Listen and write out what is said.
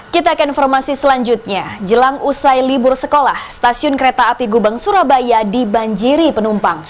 kita akan informasi selanjutnya jelang usai libur sekolah stasiun kereta api gubeng surabaya dibanjiri penumpang